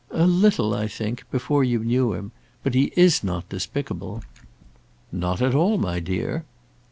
"A little I think before you knew him. But he is not despicable." "Not at all, my dear."